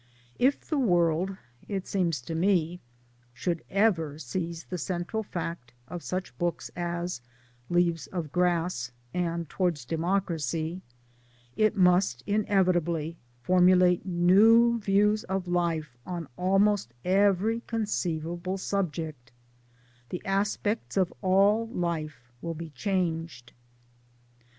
If the world it seems to me should ever seize the central fact of such books as Leaves of Grass and Towards Democracy^ it must inevitably formulate new views of life on almost every conceivable subject : the aspects of all life will be changed.